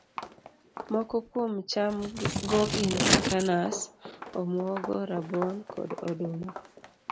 Moko kuom cham go gin kaka nas, omuogo, rabuon, kod oduma